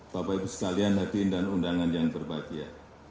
bapak ibu sekalian hadirin dan undangan yang berbahagia